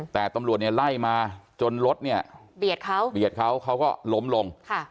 แต่ตำรวจไล่มาจนรถเนี่ยเบียดเขาเขาก็ล้มลง